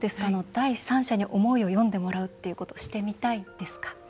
第三者に思いを詠んでもらうってことしてみたいですか？